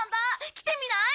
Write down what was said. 来てみない？